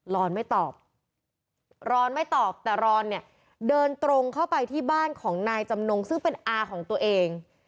รอนไม่ตอบร้อนไม่ตอบแต่รอนเนี่ยเดินตรงเข้าไปที่บ้านของนายจำนงซึ่งเป็นอาของตัวเอง